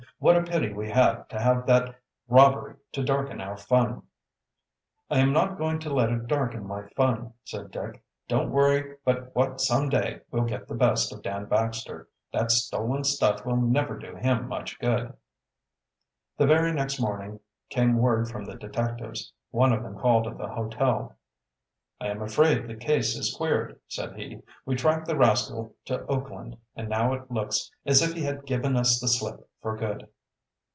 "What a pity we had to have that robbery to darken our fun." "I am not going to let it darken my fun," said Dick. "Don't worry but what some day we'll get the best of Dan Baxter. That stolen stuff will never do him much good." The very next morning came word from the detectives. One of them called at the hotel. "I am afraid the case is queered," said he. "We tracked the rascal to Oakland, and now it looks as if he had given us the slip for good."